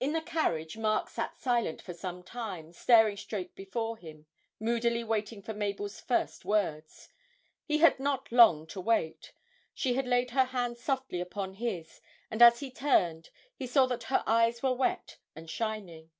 In the carriage Mark sat silent for some time, staring straight before him, moodily waiting for Mabel's first words. He had not to wait long; she had laid her hand softly upon his, and as he turned, he saw that her eyes were wet and shining.